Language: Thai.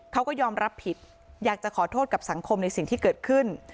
เขาก็ยอมรับผิดอยากจะขอโทษกับสังคมในสิ่งที่เกิดขึ้น